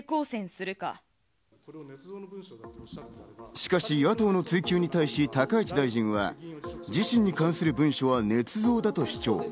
しかし野党の追及に対し、高市大臣は自身に関する文書はねつ造だと主張。